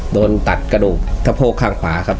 โดนตัดกระดูกสะโพกข้างขวาครับ